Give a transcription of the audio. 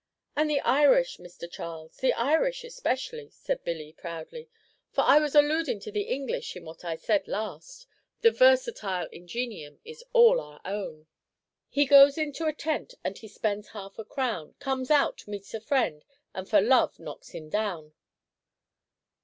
"And the Irish, Mister Charles, the Irish especially," said Billy, proudly; "for I was alludin' to the English in what I said last. The 'versatile ingenium' is all our own. He goes into a tent and he spends half a crown, Comes out, meets a friend, and for love knocks him down.